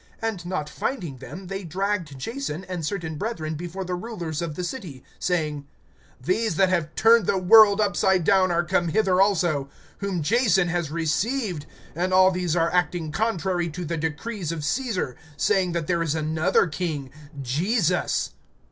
(6)And not finding them, they dragged Jason and certain brethren before the rulers of the city, crying: These that have turned the world upside down are come hither also. (7)Whom Jason has received; and all these are acting contrary to the decrees of Caesar, saying that there is another king, Jesus.